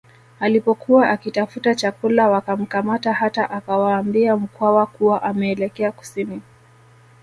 Alipokuwa akitafuta chakula wakamkamata hata akawaambia Mkwawa kuwa ameelekea kusini